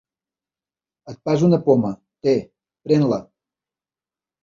Et passo una poma; té, pren-la!